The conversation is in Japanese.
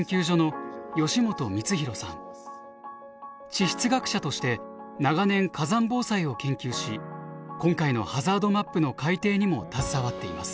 地質学者として長年火山防災を研究し今回のハザードマップの改定にも携わっています。